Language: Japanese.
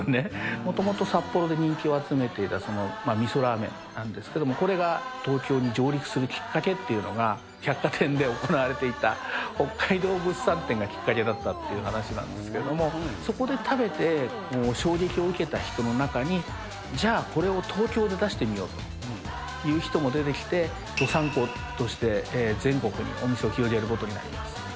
もともと札幌で人気を集めていたそのみそラーメンなんですけども、これが東京に上陸するきっかけっていうのが、百貨店で行われていた北海道物産展がきっかけだったっていう話なんですけど、そこで食べて、衝撃を受けた人の中に、じゃあ、これを東京で出してみようという人も出てきて、どさん子として、全国にお店を広げることになります。